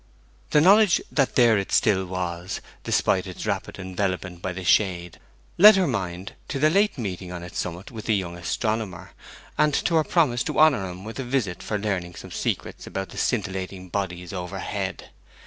The knowledge that there it still was, despite its rapid envelopment by the shades, led her lonely mind to her late meeting on its summit with the young astronomer, and to her promise to honour him with a visit for learning some secrets about the scintillating bodies overhead.